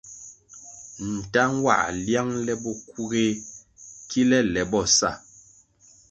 Ntah nwãh liang le bokuğéh kile le bo sa.